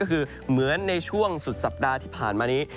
ก็คือเหมือนในช่วงสุดสัปดาห์ที่ผ่านมานี้